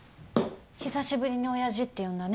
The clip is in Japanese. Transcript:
久しぶりに「親爺」って呼んだね